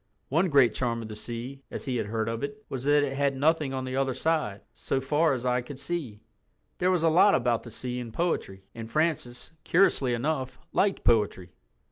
One great charm of the sea, as he had heard of it, was that it had nothing on the other side "so far as eye could see." There was a lot about the sea in poetry, and Francis, curiously enough, liked poetry.